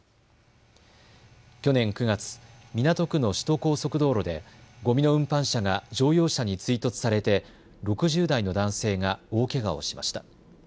去年９月、港区の首都高速道路でごみの運搬車が乗用車に追突されて６０代の男性が大けがをしました。